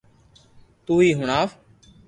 توھي ھڻاو